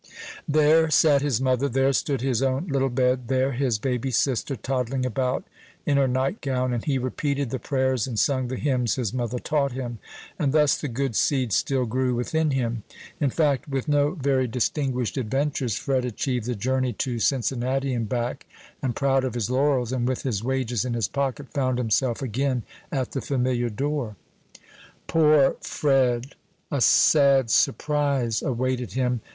There sat his mother; there stood his own little bed; there his baby sister, toddling about in her night gown; and he repeated the prayers and sung the hymns his mother taught him, and thus the good seed still grew within him. In fact, with no very distinguished adventures, Fred achieved the journey to Cincinnati and back, and proud of his laurels, and with his wages in his pocket, found himself again at the familiar door. Poor Fred! a sad surprise awaited him.